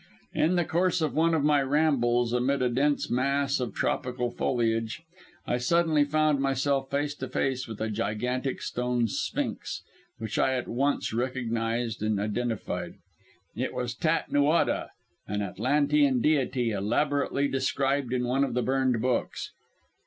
In the course of one of my rambles amid a dense mass of tropical foliage, I suddenly found myself face to face with a gigantic stone Sphinx, which I at once recognized and identified. It was Tat Nuada, an Atlantean deity, elaborately described in one of the burned books.